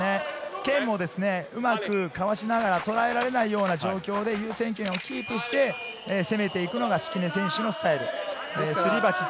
剣をうまくかわしながら、とらえられないような状況で優先権をキープして、攻めていくのが敷根選手のスタイル。